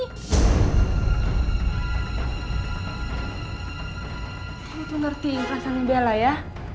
kamu itu ngerti perasanya bella ya